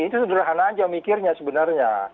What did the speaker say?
itu sederhana aja mikirnya sebenarnya